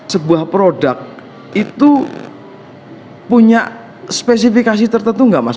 sebuah produk itu punya spesifikasi tertentu nggak mas